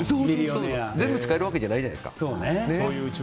全部使えるわけじゃないじゃないですか。